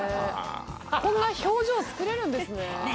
こんな表情作れるんですね。